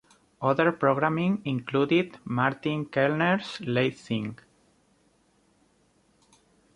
Other programming included Martin Kelner's Late Thing.